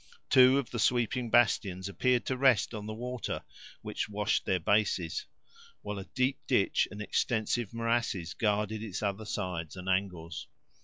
Two of the sweeping bastions appeared to rest on the water which washed their bases, while a deep ditch and extensive morasses guarded its other sides and angles.